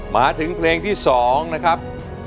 มาถึงเพลงที่๒นะครับ